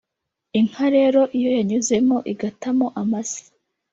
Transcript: inka rero iyo yanyuzemo igatamo amase